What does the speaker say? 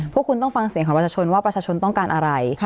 พวกคุณต้องฟังเสียงของประชาชนว่าประชาชนต้องการอะไร